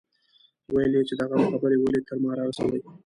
ويل يې چې د غم خبرې ولې تر ما رارسوي.